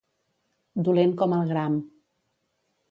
Dolent com el gram.